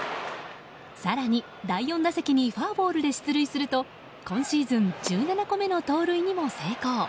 更に、第４打席にフォアボールで出塁すると今シーズン１７個目の盗塁にも成功。